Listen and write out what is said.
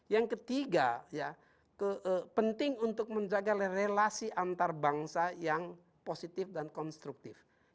yang ketiga penting untuk menjaga relasi antarbangsa yang positif dan konstruktif